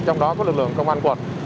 trong đó có lực lượng công an quận